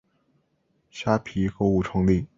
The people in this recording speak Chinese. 虾皮购物创立。